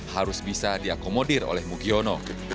harus bisa diakomodir oleh mugiono